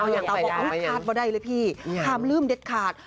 ต้องขาดบ้างได้เลยพี่ความลืมเด็ดขาด